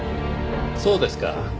そうですか。